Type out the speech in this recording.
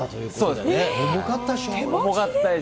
重かったです。